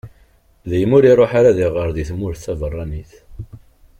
Daymi ur iruḥ ara ad iɣer deg tmurt taberranit.